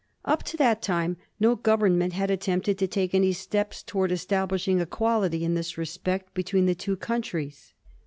Up to that time, no Government had attempted to take any steps towards establishing equality in this respect between the two countries.